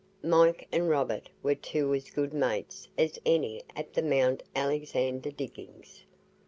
Mike and Robert were two as good mates as any at the Mount Alexander diggings.